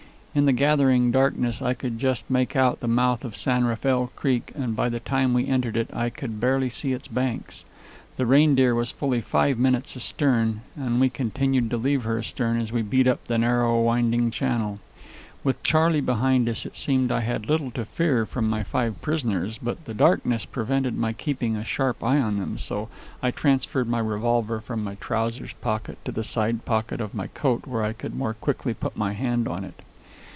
In the gathering darkness I could just make out the mouth of San Rafael Creek, and by the time we entered it I could barely see its banks. The Reindeer was fully five minutes astern, and we continued to leave her astern as we beat up the narrow, winding channel. With Charley behind us, it seemed I had little to fear from my five prisoners; but the darkness prevented my keeping a sharp eye on them, so I transferred my revolver from my trousers pocket to the side pocket of my coat, where I could more quickly put my hand on it.